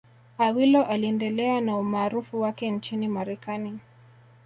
Awilo aliendelea na umaarufu wake nchini Marekani